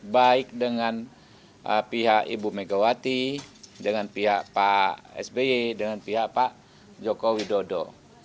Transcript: baik dengan pihak ibu megawati dengan pihak pak sby dengan pihak pak joko widodo